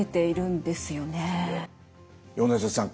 米瀬さん